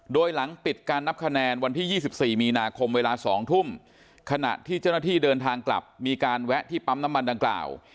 โดยหลังปิดการนับคะแนนวันที่๒๔มีนาคมเวลา๒ทุ่มขณะที่เจ้าหน้าที่เดินทางกลับมีการแวะที่ปั๊มน้ำมันดังกล่าว